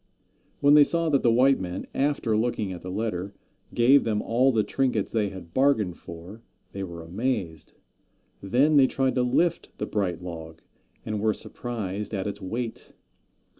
When they saw that the white men, after looking at the letter, gave them all the trinkets they had bargained for, they were amazed. Then they tried to lift the bright log, and were surprised at its weight.